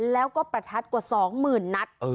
แล้วก็ประทัดกว่า๒๐๐๐นัด